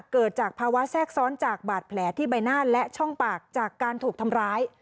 เกิดจากภาวะแทรกซ้อนจากบาดแผลที่ใบหน้าและช่องปากจากการถูกทำร้าย